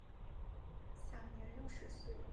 享年六十岁。